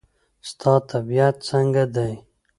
ستا طبیعت څنګه دی؟